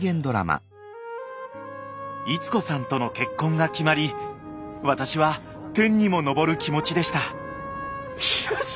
逸子さんとの結婚が決まり私は天にも昇る気持ちでしたよし！